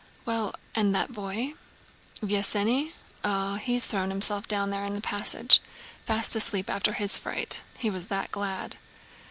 "Well, and that boy?" "Vesénny? Oh, he's thrown himself down there in the passage. Fast asleep after his fright. He was that glad!"